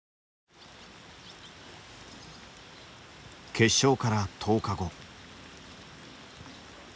決勝から１０日後。